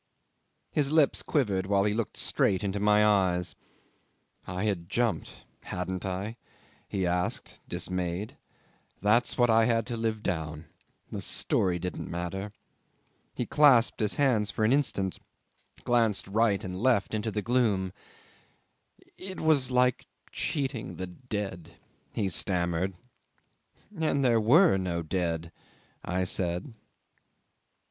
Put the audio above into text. His lips quivered while he looked straight into my eyes. "I had jumped hadn't I?" he asked, dismayed. "That's what I had to live down. The story didn't matter." ... He clasped his hands for an instant, glanced right and left into the gloom: "It was like cheating the dead," he stammered. '"And there were no dead," I said.